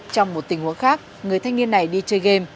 trong một tình huống khác người thanh niên này đi chơi game